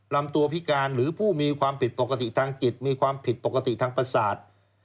ลำตัวพิการหรือผู้มีความผิดปกติทางจิตมีความผิดปกติทางประสาท